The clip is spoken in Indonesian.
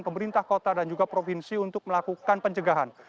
pemerintah kota dan juga provinsi untuk melakukan pencegahan